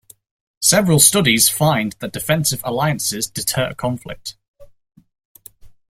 Several studies find that defensive alliances deter conflict.